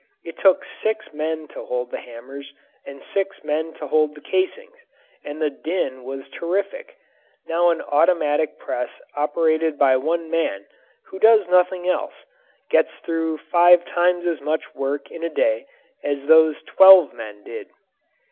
It took six men to hold the hammers and six men to hold the casings, and the din was terrific. Now an automatic press operated by one man, who does nothing else, gets through five times as much work in a day as those twelve men did.